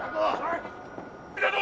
いたぞ！